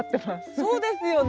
そうですよね。